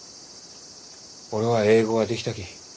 俺は英語ができたき。